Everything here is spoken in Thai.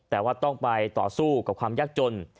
แต่ว่าต้องไปต่อสู้กับความยากจน